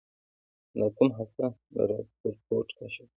د اتوم هسته رادرفورډ کشف کړه.